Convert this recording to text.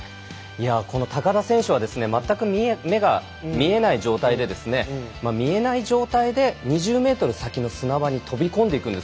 この高田選手は全く目が見えない状態でですね見えない状態で２０ｍ先の砂場に跳び込んでいくんです。